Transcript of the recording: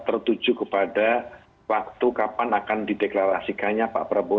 tertuju kepada waktu kapan akan dideklarasikannya pak prabowo